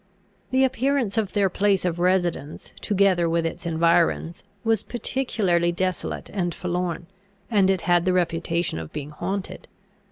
The appearance of their place of residence, together with its environs, was peculiarly desolate and forlorn, and it had the reputation of being haunted.